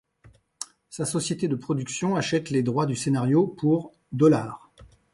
Sa société de production, achète les droits du scénario pour dollars.